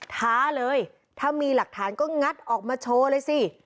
ท้าเลยถ้ามีหลักฐานก็งัดออกมาโชว์เลยสิ